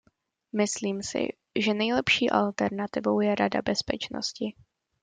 Myslím si, že nejlepší alternativou je Rada bezpečnosti.